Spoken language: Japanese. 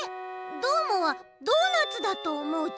どーもは「ドーナツ」だとおもうち？